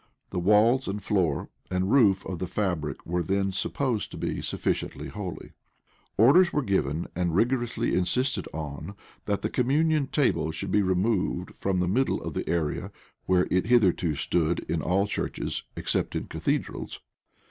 The walls, and floor, and roof of the fabric were then supposed to be sufficiently holy.[*] Orders were given, and rigorously insisted on, that the communion table should be removed from the middle of the area where it hitherto stood in all churches, except in cathedrals.